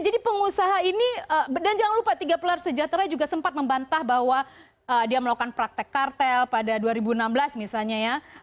jadi pengusaha ini dan jangan lupa tiga pelar sejahtera juga sempat membantah bahwa dia melakukan praktek kartel pada dua ribu enam belas misalnya ya